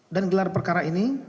dan gelar perkara ini